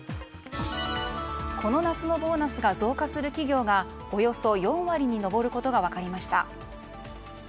この夏のボーナスが増加する企業がおよそ４割に上ることが分かりました。